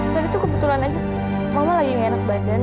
tadi tuh kebetulan aja mama lagi gak enak badan dan